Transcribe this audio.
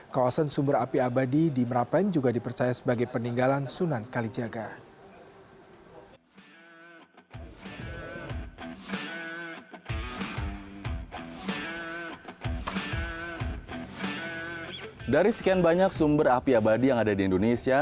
kawasan sumber api abadi di merapen juga dipercaya sebagai peninggalan sunan kalijaga